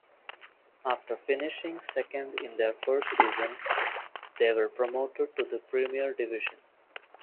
After finishing second in their first season, they were promoted to the Premier Division.